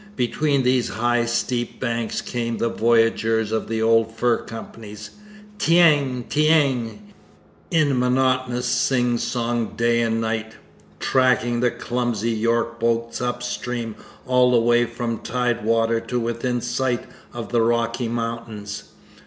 Between these high, steep banks came the voyageurs of the old fur companies 'ti aing ti aing' in monotonous sing song day and night, tracking the clumsy York boats up stream all the way from tide water to within sight of the Rocky Mountains.